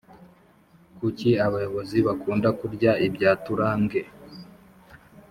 kuki abayozi bakunda kurya ibya turange